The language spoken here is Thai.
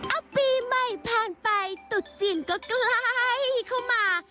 เอ้าปีไม่ผ่านไปตุ๊ดจีนก็กล้าให้เข้ามา